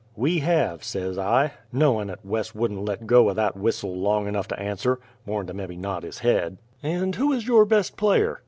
"We hev," says I, knowin' 'at Wes wouldn't let go o' that whistle long enough to answer more'n to mebby nod his head. "And who is your best player?"